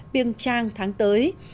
biêng trang tháng tới